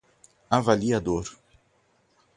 avaliador